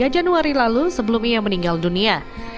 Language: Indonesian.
tiga januari lalu sebelum ia meninggal dunia